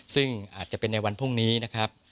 ซึ่งอาจจะเป็นในวันพรุ่งนี้นะครับ